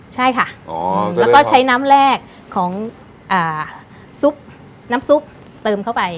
ใช่ค่ะแล้วก็ใช้น้ำแรกของซุปน้ำซุปเติมเข้าไป